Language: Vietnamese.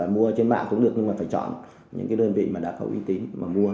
mua trên mạng cũng được nhưng phải chọn những đơn vị đã có uy tín và mua